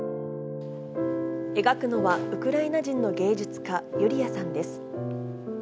描くのは、ウクライナ人の芸術家、ユリヤさんです。